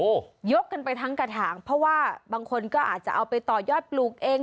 โอ้โหยกกันไปทั้งกระถางเพราะว่าบางคนก็อาจจะเอาไปต่อยอดปลูกเอง